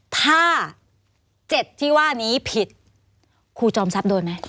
ถ้า๗ที่ว่านี้ผิดครูจอมทรัพย์โดนไหม